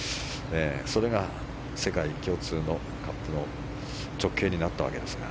それが世界共通のカップの直径になったわけですが。